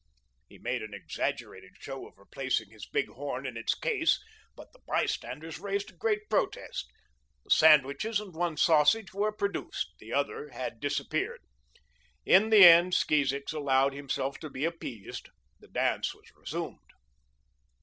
He made an exaggerated show of replacing his big horn in its case, but the by standers raised a great protest. The sandwiches and one sausage were produced; the other had disappeared. In the end Skeezichs allowed himself to be appeased. The dance was resumed.